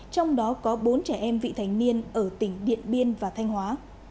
trong đó có bốn trẻ em vị thành niên ở tỉnh điện biên và thanh hóa